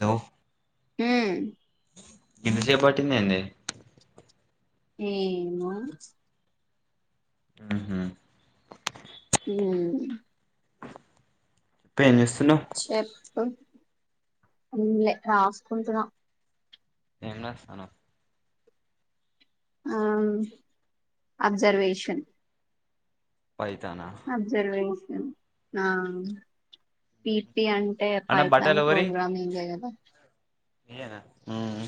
Hello హు ఇంతసేపు పట్టిందేందే ఏమో హూ హు హు పేలుచు చెప్పు ఏం లే రాసుకుంటున్నా ఏం రాస్తానావు ఆ అబ్జర్వేషన్ పైతానా అబ్జర్వెన్ ఆ పి పి అంటే అన్న పైతాని ప్రోగ్రామింగ్ ఏ కదా పి ఏ నా ఉమ్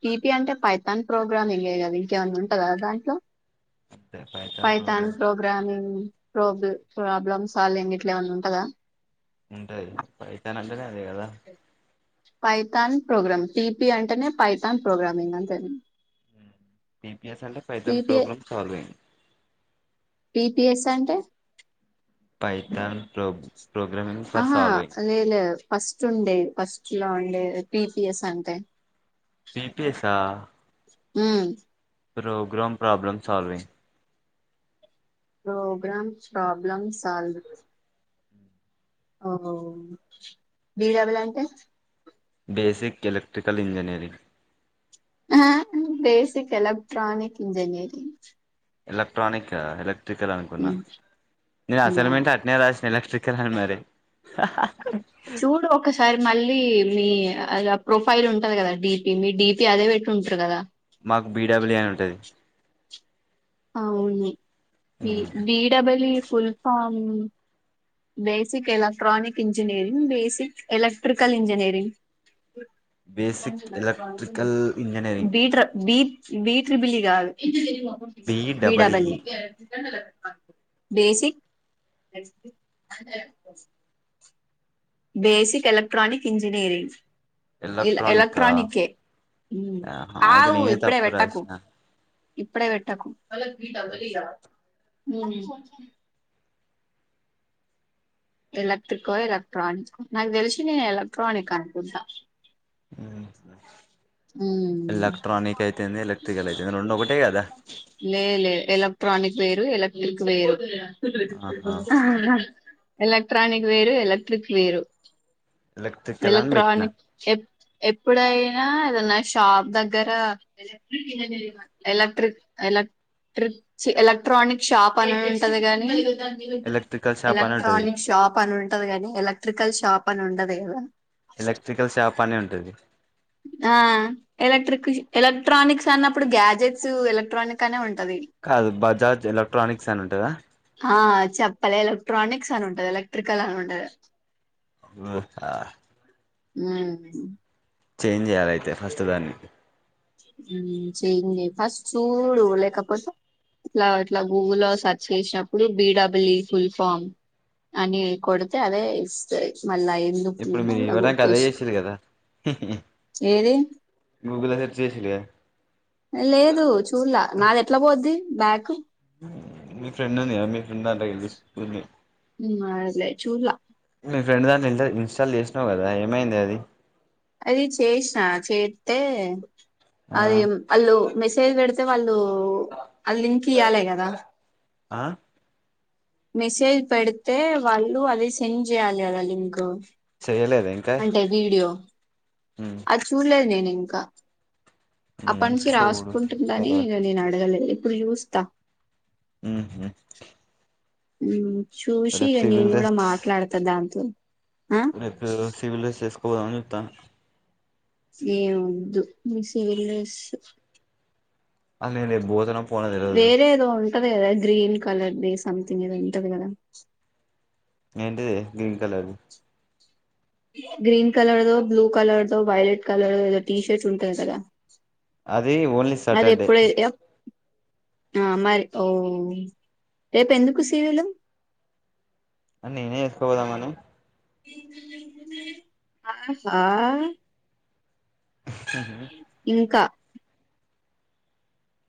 పీ పీ అంటే పైతాన్ ప్రోగ్రామింగే గదా ఇంకేమన్న ఉంటదా దాంట్లో అంతే Python program programming problem problem solve గిట్ల ఏవన్న ఉంటదా ఉంటది పైతాన్ అంటేనే అట్లా గదా పైథాన్ ప్రోగ్రామ్ టీపి అంటేనే పైథాన్ ప్రోగ్రామింగ్ అంతేనా పిపిఎస్ అంటే Python PP program solving PPS అంటే పైథాన్ ప్రో ప్రోగ్రామింగ్ ఫర్ ఆహా సాల్ వింగ్ లేదు లేదు ఫస్ట్ ఉండే ఫస్ట్ లో ఉండే పిపిఎస్ అంటే బిపిఏసా హ్మ్ program problem solving program problem solve ఓహో బి డబల్ అంటే బేసిక్ ఎలెక్ట్రికల్ ఇంజనీయరింగ్ ఆ basic electronic engineering electronic electrical అనుకున్నాను నేను నా అసలమెంట్ అట్నే రాసిన ఎ ఎలక్ట్రీకలే మరీ హా హా చూడు ఒకసారి మళ్ళీ మీ అ ప్రొఫైల్ ఉంటది గదా డిపీ మీ డిపి అదే పెట్టి ఉంటారు గదా మాకు బిడబల్యూ అని ఉంటది అవును B BW full form basic electronic engineering basic electrical engineering basic electrical engineering బీట్రా బీ బిచ్ బిలి గాద బి బిఈడబల్ఈ డబల్యి బేసిక్ బేసిక్ ఎలక్ట్రానిక్ ఇంజినీరింగ్ ఎల్ ఎలక్ట్రానికా ఎలక్ట్రానిక్ కే హ్మ్ ఆహా అయితే ఆవు నేనే ఇప్పుడే తప్పు వెట్టకు రాసిన ఇప్పుడే వెట్టకు వాళ్లకు పి డబల్యి హ్మ్ ఎలక్ట్రీకో ఎలక్ట్రానికో నాకు తెలిసి నేను ఎలక్ట్రానిక్ అనుకుంటా హ్మ్ మ్మ్. ఎలక్ట్రానిక్ అయితేందీ ఎలక్ట్రికల్ అయితేంది రెండు ఒకటే గదా లే లే ఎలక్ట్రానిక్ వేరు ఎలక్ట్రిక్ వేరు ఆహా ఎలక్ట్రానిక్ వేరు ఎలక్ట్రీక్ వేరు ఎలక్ట్రికల్ అని పెట్టినా ఎలక్ట్రానిక్ ఎప్ ఎప్పుడైనా దన్న షాప్ దగ్గర ఎలక్ట్రిక్ ఎలక్ ట్రిప్ ఎలక్ట్రానిక్ షాప్ అని ఉంటది గాని ఎలక్ట్రికల్ షాప్ అని ఉంటది ఎలక్ట్రానిక్ షాప్ అని ఉంటది గని ఎలక్ట్రికల్ షాప్ అని ఉండదు గదా ఎలక్ట్రికల్ షాప్ అని ఉంటది ఆ ఎలక్ట్రిక్ ఎలక్ట్రానిక్స్ అన్నప్పుడు గ్యాజెట్స్ ఎలక్ట్రానిక్ అనే ఉన్ టది కాదు బజాజ్ ఎలక్ట్రానిక్స్ అని ఉంటదా ఆ చెప్పలేలు ట్రానిక్స్ అని ఉంటది ఎలక్ట్రికల్ అని ఉండదు హు ఆ ఉహు చేంజ్ చేయాలి అయితే ఫస్ట్ దాన్ని ఊ చేంజ్ చెయ్ ఫస్ట్ చూడు లేకపోతె ఇట్లా ఇట్లా గూగుల్లో సెర్చ్ చేసినప్పుడు బిడబల్యి ఫుల్ ఫామ్ అని కొడతే అదే ఇస్తయ్ మల్లా ఎందుకు ఇప్పుడు మీరు గూడ ఇవ్వడానికి అదే గొట్టేశి చేసిరు కదా ఏది గూగుల్ల సెర్చ్ చేసిళ్ళు గా లేదు చూల్లా నాది ఎట్లా పోద్ది బ్యాకు మీ ఫ్రెండ్ ఉందిగా మీ [unintelligible] అదిలే చూడలా మీ ఫ్రెండ్ దంట్లో ఎంజాయ్ చేస్ తల్ చేసినవ్ కదా ఏమైంది అది అది చేస్నా చేత్తే ఆ అది వాళ్ళు మెసేజ్ పెడితే వాళ్ళు ఆ లింకి ఇయ్యాలే కదా. ఆ మెసేజ్ పెడితే వాళ్ళు అదే సెండ్ చేయాలి కదా లింకు చేయలేద ఇంకా అంటే వీడియో ఉమ్ అది చూడలేదు నేని ఇంకా అప్ప ఉమ్ నుంచి చూడు రాసుకుంటుందని తర్వాత ఇగా నేను అడగలేదు. ఇప్పుడు చూస్తా ఉహు ఉమ్ చూసి రేపు ఇగా సివిల్ నిన్ కూడా మాట్లాడతదా దాంతో ఆ నాకు సివిల్ డ్రెస్ చేసుకోదామని చెప్తా. సీనొద్దు మీ సివిల్ డ్రెసు ఆ లేద్ లేదు భోజనం వేరే ఏదో ఉంటది కదా గ్రీన్ కలర్ది సంథింగ్ ఏదో ఉంటది కదా. ఏంటే గ్రీన్ కలర్ గ్రీన్ కలర్దో బ్లూ కలర్దో వైలెట్ కలర్దో ఏదో టీ షర్ట్స్ ఉంటంది కదా. అది ఓన్లీ అది సాటర్డే ఎప్పుడే ఆ మరి ఓ రేపు ఎందుకు సీరిలు నేనే చేసుకోపోదామ్ అని ఆ ఆహా ఇంకా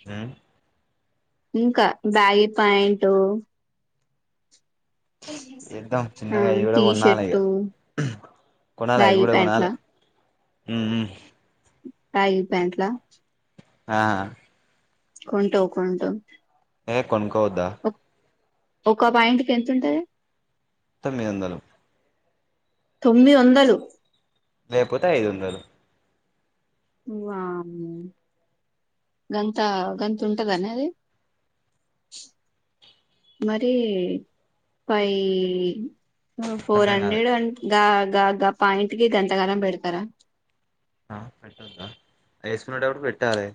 ద్యా ఇంకా బ్యాగి ప్యాంటు ఏద్దాం ఆ చిన్నగా ఇడా టీ కొనాలిగా షర్టు కొనాలి అవి బ్యాగీ కూడా కొనాలి ప్యాంట్లా ఉ ఉ ఐదు ప్యాట్లా ఆ కొంటావ్ కొంటావ్ యే కొనుకొవద్దా ఒక ప్యాంటుకి ఎతుంటది తొమ్మిదీ వందలు తొమ్మిది వందలు లేపోతే ఐదు వందలు వామ్మో గంత గంత ఉంటదన అది మరి పై హో ఫోర్ అర్థం కాలే హండ్రెడ్ గా గా గా ప్యాంటుకి గంతకారం పెడతారా. ఆ పెట్టద్దా యేస్కుంటేడు పెట్టాలి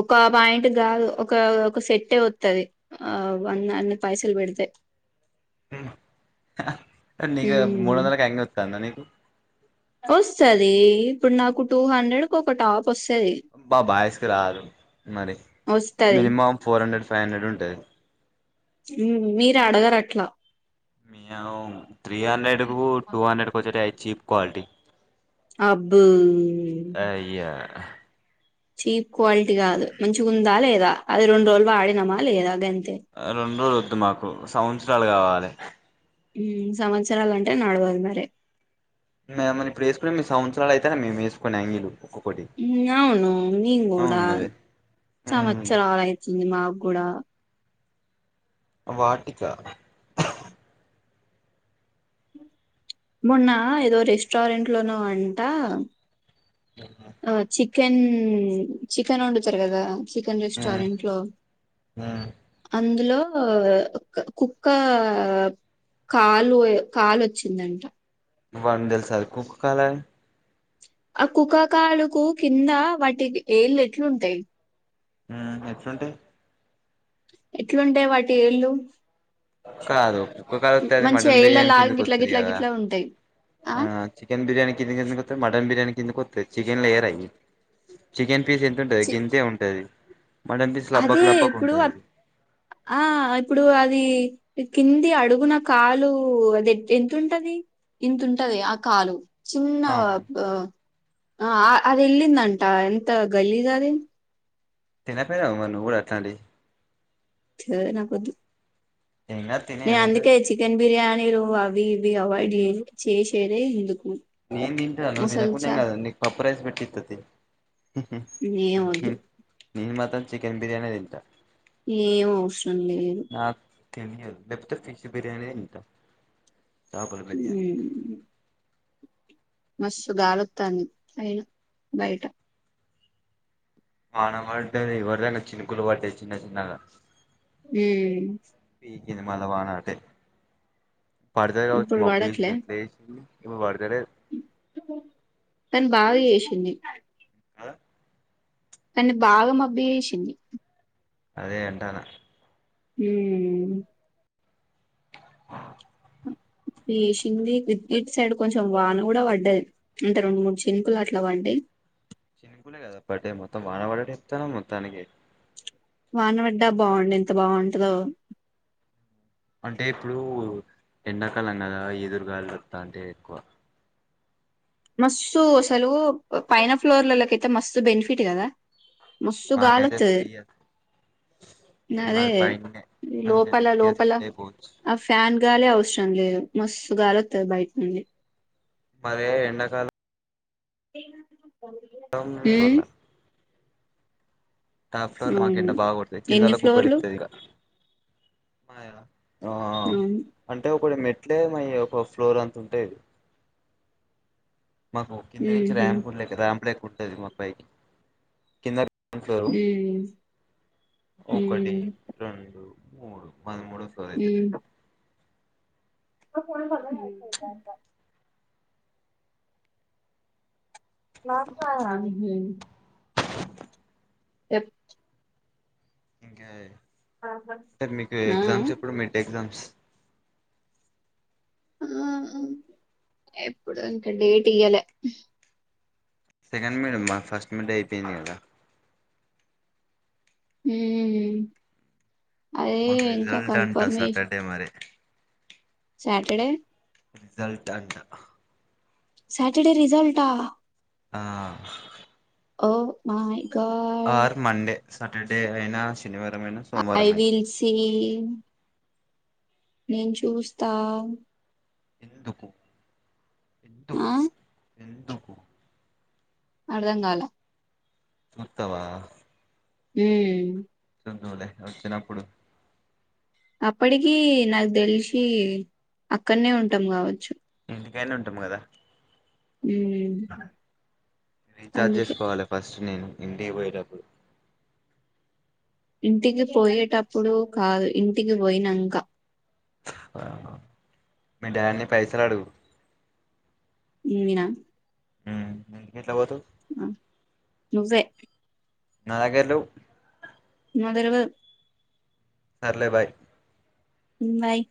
ఒక ప్యాంటు కాదు ఒక ఒక సెట్టే వత్తది ఆ వన్ అన్ పైసల్ పెడితే ఉ నీకు మూడు వందలకే అన్ని వత్తందా నీకు వస్తాది ఇప్పుడు నాకు టూ హండ్రెడ్కు ఒక టాప్ వస్తది బా బాయ్స్ కి రాదు మరి వస్తది minimum four hundred five hundred ఉంటది ఉ మీరు అడగరు అట్లా త్రీ హండ్రెడ్ కు టూ హండ్రెడ్ కు వచ్చేటవి చీప్ క్వాలిటీ అబ్బో అయ్యా చీప్ క్వాలిటీ కాదు మంచిగా ఉందా లేదా అది రెండు రోజులు వాడినామా లేదా గన్ ఆ రెండు వద్దు మాకు సంవత్సరాలు కావాలె సంవత్సరలు అంటే నడవదు మరి మేమని ఇప్పుడుేసుకునే మీ సంవత్సరాలు అయితేనే మే వేసుకుని [unintelligible] అవును మరి [inaudible] ఉమ్, సంవత్సరాలు అవుతుంది మాకు కూడా వాటిిక [inaudible] మొన్న ఏదో రెస్టారెంట్లోన అంట ఆ చికెన్ చికెన్ వండుతారు కదా చికెన్ రెస్టారెంట్ లో అందులో ఆ కుక్క కాలు కాలు వచ్చిందంట [unintelligible] కుక్క కాల ఆ కుక్క కాలుకు కింద వాటి ఏళ్ళు ఎట్లుంటాయి ఆహ్ ఎట్లుంటాయి ఎట్లుంటాయి వాటి ఎళ్ళు కాదు కుక్క కాలోత్త [unintelligible] అది మంచిగా మటన్ ఏళ్ళ బిర్యానీ లాగా కింద గిట్లా కోస్తాది గిట్లా గా గిట్లా ఉంటాయి ఆ చికెన్ బిర్యానీ కిందకి ఎందుకు వస్తాయి మటన్ బిర్యానీ కిందకి వస్తాయి చికెన్ లో వేయర్ అవి చికెన్ పీస్ ఎంత ఉంటది చి- గింతే ఉంటాది అదే ఇప్పుడు ఆ ఇప్పుడు అదీ కింది అడుగున కాలు అది ఎంత ఉంటాది ఇంత ఉంటది ఆ కాలు చిన్న అవును వ్ బ ఆ అది ఎల్లిందంటా ఎంత గలీజు అది తినక్పోయివ మరి కూడ అట్లాంటి చి నాకొద్దు ఏం కాదు తిను నే ఏమైతది అందుకే చికెన్ బిర్యానీలు అవి ఇవి అవాయిడ్ చేసేదె ఇందుకు నేను తింటా నువ్వు తినకుండా ఏం కాదు నీకు పప్పు రైస్ పెట్టితతి [unintelligible] ఏం ఉహు వద్దు నేను మాత్రం చికెన్ బిర్యానె తింటా ఏం అవసరం లేదు [unintelligible] పెద్ద ఫిష్ బిర్యానె తింటా చేపల బిర్యానీ హుమ్ మస్తు గా లోత్తాంది అయిను బైట వానబడద్ది ఎవరిదంగా చినుకులు పడ్డాయి చిన్న చిన్నగా ఉమ్ సినిమాల వాన అంటే పడతాది కావొచ్చు ఇప్పుడు మోబ్బేసినట్టే ఇవి తన్ బాగ చేసింది అ కానీ బాగా మొబ్బు చేసింది అదే ఎంటాన ఉమ్ వేసింది ఇటు సైడ్ కొంచెం వాన కూడ పడ్డాది అంటే రెండు మూడ్ చినుకులు అట్ల పడ్డాయి చిన్నకులే కదా పడ్డాయి మొత్తం వాన పడ్డట్టు చెప్తావు మొత్తానికి వాన పడ్డ బాగుండే ఎంత బాగుంటదో అంటే ఇప్పుడు ఎండాకాలం కదా ఈదురుగాలు వస్తుంటాయి అంటే ఎక్కువ మస్తు అసలు పైన ఫ్లోర్లలోకైతే మస్తు బెనిఫిట్ కదా మస్తు మాకైతే గాలొత్తది ఫ్రీ [unintelligible] నదే మాది పైన్నే మంచిగా లోపల నీట్గా లోపల సెట్ అయిపోవచ్చు ఆ ఫ్యాన్ గాలే అవసరం లేదు మస్తు గాలొస్తది బయట నుండి మరే ఎండాకాలం ఏ టం భోలే టాప్ ఫ్లోర్ లో మాకు అవును ఎండ బాగా కొడతాడి కింద ఎన్ని ఉన్నోలకి ఫ్లోర్లు ఉబ్బరిత్తది ఇగ ఆ అవును అంటే ఒకడు నేట్ అట్లే మై ఒక ఫ్లోర్ అంత ఉంటాది మాకు కింద నుంచి ఉహు ర్యాంప్ లెక్క ర్యాంప్ లెక్క ఉంటది మాకు పైకి కింద గ్రౌండ్ ఫ్లోరు ఉమ్ ఒకటి ఉమ్ రెండు మూడు మాది మూడో ఫ్లోర్ అయితే ఉమ్ [inaudible] [inaudible] ఎట్ ఇంకా అంటే మీకు ఉమ్ ఆ ఎగ్జామ్స్ ఎప్పుడు మిడ్ ఎగ్జామ్స్ ఆ ఎప్పుడంట డేట్ ఇయ్యాలే సెకండ్ మిడ్ ఆమ్మా ఫస్ట్ మిడ్ అయిపోయింది కదా ఊ అదే మాకు ఇంకా రిజల్ట్ అంట కన్ఫర్మేషన్ సాటర్డే మరి సాటర్డే రిజల్ట్ అంట సాటర్డే రిజల్ట్ ఆ ఆ oh my god or Monday Saturday అయినా శనివారం అయినా ఐ సోమవారం అయినా విల్ సి నేను చూస్తా ఎందుకు ఎందుకు ఆ ఎందుకు అర్ధం కాలే వత్తవా ఊ [unintelligible] లే వచ్చినప్పుడు అప్పటికి నాకు తెలిసి అక్కడనే ఉంటాం కావచ్చు ఇంటికానే ఉంటాము కదా ఊ రీఛార్జ్ చేసుకోవాలి ఫస్ట్ నేను ఇంటి పోయేటప్పుడు ఇంటికి పోయేటప్పుడు కాదు ఇంటికి పోయినాంక మీ డాడ్ ని పైసలు అడుగు ఉన్నీనా ఇంటికి ఎట్లా పోతావు ఆ నువ్వే నా దగ్గర లెవ్ నాకు తెల్వదు సర్లే బాయ్ ఉ బాయ్